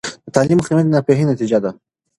د تعلیم مخنیوی د ناپوهۍ نتیجه ده.